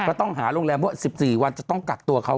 เขาต้องหาโรงแรมเพราะว่า๑๔วันจะต้องกัดตัวเขา